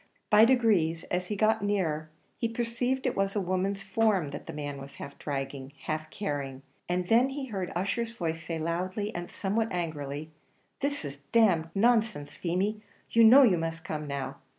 By degrees, as he got nearer, he perceived it was a woman's form that the man was half dragging, half carrying, and then he heard Ussher's voice say loudly, and somewhat angrily, "This is d d nonsense, Feemy! you know you must come now."